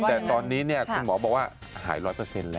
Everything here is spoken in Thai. แต่ตอนนี้คุณหมอบอกว่าหายร้อยเปอร์เซ็นต์แล้ว